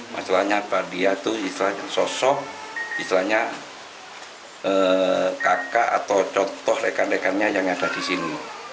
masalahnya apa dia itu istilahnya sosok istilahnya kakak atau contoh rekan rekannya yang ada di sini